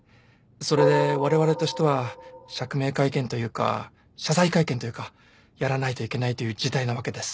それでわれわれとしては釈明会見というか謝罪会見というかやらないといけないという事態なわけです。